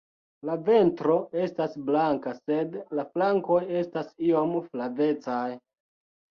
La ventro estas blanka sed la flankoj estas iom flavecaj.